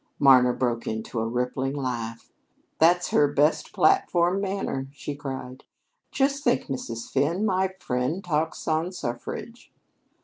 Marna broke into a rippling laugh. "That's her best platform manner," she cried. "Just think, Mrs. Finn, my friend talks on suffrage."